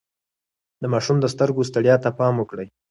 د ماشوم د سترګو ستړيا ته پام وکړئ.